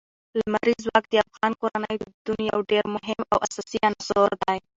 لمریز ځواک د افغان کورنیو د دودونو یو ډېر مهم او اساسي عنصر دی.